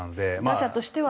打者としては。